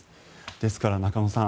ですから、中野さん